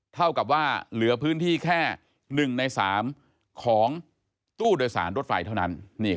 เท่ากับว่าเหลือพื้นที่แค่๑ใน๓ของตู้โดยสารรถไฟเท่านั้น